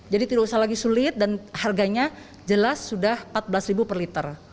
jadi tidak usah lagi sulit dan harganya jelas sudah empat belas per liter